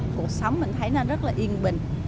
cuộc sống mình thấy nó rất là yên bình